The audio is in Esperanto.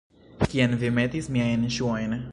Kien vi metis miajn ŝuojn?